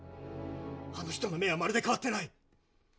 あの人の目はまるで変わってない。